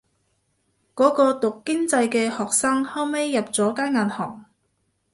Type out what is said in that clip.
嗰個讀經濟嘅學生後尾入咗間銀行